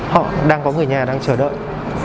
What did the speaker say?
họ đang có người nhà đang chờ đợi